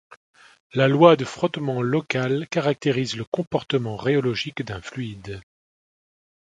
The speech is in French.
La loi de frottement locale caractérise le comportement rhéologique d'un fluide.